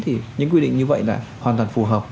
thì những quy định như vậy là hoàn toàn phù hợp